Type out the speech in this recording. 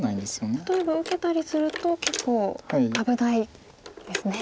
例えば受けたりすると結構危ないですね。